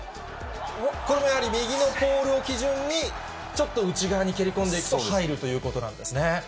これもやはり右のポールを基準に、ちょっと内側に蹴り込んでいくと入るということなんですね。